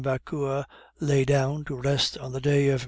Vauquer lay down to rest on the day of M.